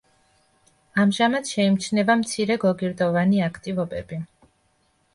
ამჟამად შეიმჩნევა მცირე გოგირდოვანი აქტივობები.